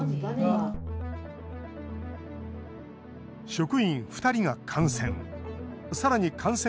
職員２人が感染。